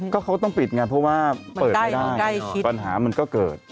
ก็เขาก็ต้องปิดไงเพราะว่าเปิดไม่ได้ปัญหามันก็เกิด